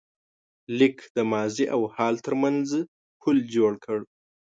لیک د ماضي او حال تر منځ پُل جوړ کړ.